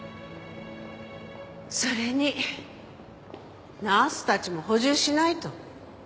それにナースたちも補充しないと。